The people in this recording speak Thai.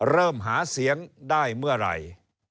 เริ่มหาเสียงได้เมื่อไหร่